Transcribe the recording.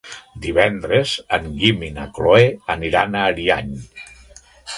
Divendres en Guim i na Cloè aniran a Ariany.